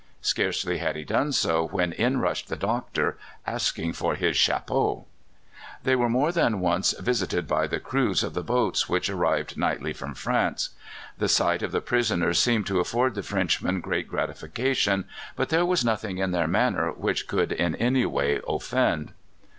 Scarcely had he done so when in rushed the doctor, asking for his chapeau. They were more than once visited by the crews of the boats which arrived nightly from France. The sight of the prisoners seemed to afford the Frenchmen great gratification, but there was nothing in their manner which could in any way offend.